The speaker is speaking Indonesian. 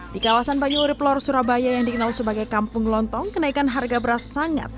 di kawasan banyuluri pelor surabaya yang dikenal sebagai kampung lontong kenaikan harga beras sangat